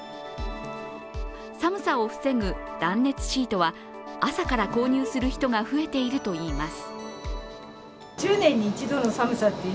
寒さを防ぐ断熱シートは、朝から購入する人が増えているといいます。